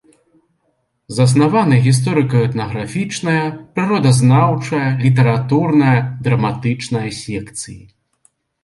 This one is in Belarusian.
Заснаваны гісторыка-этнаграфічная, прыродазнаўчая, літаратурная, драматычная секцыі.